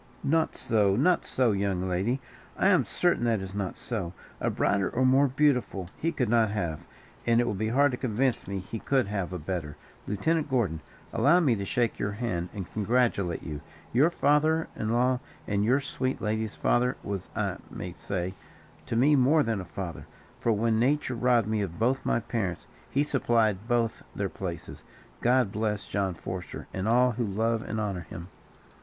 "Not so, not so, young lady. I am certain that it is not so. A brighter or more beautiful, he could not have, and it will be hard to convince me he could have a better, Lieutenant Gordon, allow me to shake your hand, and congratulate you; your father in law, and your sweet lady's father, was, I may say, to me more than a father; for, when Nature robbed me of both my parents, he supplied both their places. God bless John Forester, and all who love and honour him."